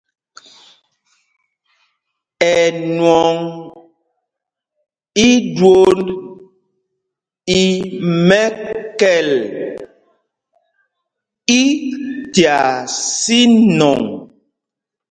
Ɛnwɔŋ íjwónd í mɛ̄kɛ̄l í tyaa sínɔŋ.